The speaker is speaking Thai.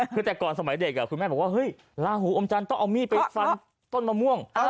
คือแต่ก่อนสมัยเด็กคุณแม่บอกว่าเฮ้ยลาหูอมจันทร์ต้องเอามีดไปฟันต้นมะม่วง